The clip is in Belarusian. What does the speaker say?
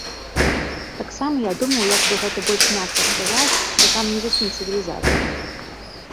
Таксама я думаў, як бы гэта больш мякка сказаць, што там не зусім цывілізацыя.